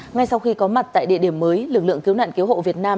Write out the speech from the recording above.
ngay sau khi có mặt tại địa điểm mới lực lượng cứu nạn cứu hộ việt nam